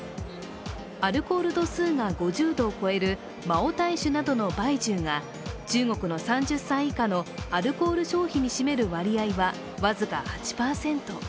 アルコール度数が５０度を超えるマオタイ酒などの白酒が中国の３０歳以下のアルコール消費に占める割合は僅か８％。